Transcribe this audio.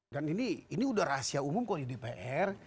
dan ini sudah rahasia umum kalau di dpr